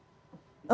terima kasih pak farid